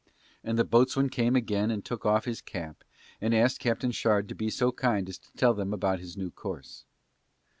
And the boatswain came again and took off his cap and asked Captain Shard to be so kind as to tell them about his new course.